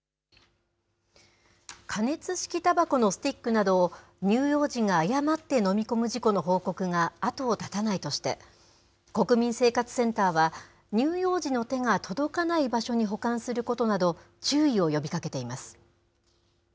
加熱式たばこのスティックなどを、乳幼児が誤って飲み込む事故の報告が後を絶たないとして、国民生活センターは、乳幼児の手が届かない場所に保管することなど、注意を呼びかけています。